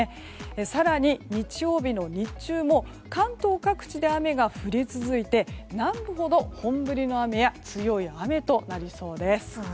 更に、日曜日の日中も関東各地で雨が降り続いて南部ほど本降りの雨や強い雨となりそうです。